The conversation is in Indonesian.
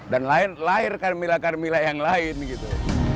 dan lahir carmilla carmilla yang lain gitu